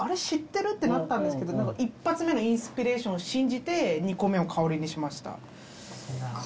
知ってる？」ってなったんですけど１発目のインスピレーションを信じて２個目を香にしました。